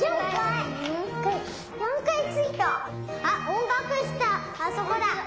あそこだ。